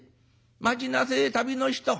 待ちなせえ旅の人。